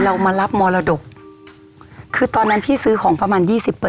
เรามารับมรดกคือตอนนั้นพี่ซื้อของประมาณ๒๐